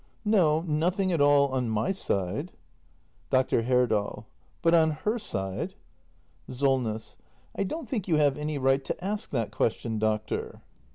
No; nothing at all — on my side. Dr. Herdal. But on her side ? Solness. I don't think you have any right to ask that question, doctor.